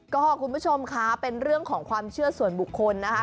ก็คุณผู้ชมค่ะเป็นเรื่องของความเชื่อส่วนบุคคลนะคะ